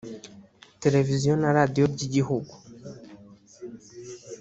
Televiziyo na Radiyo by’igihugu